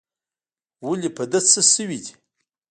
ولي په ده څه سوي دي؟